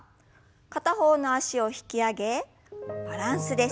片方の脚を引き上げバランスです。